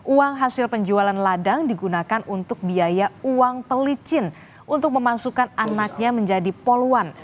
uang hasil penjualan ladang digunakan untuk biaya uang pelicin untuk memasukkan anaknya menjadi poluan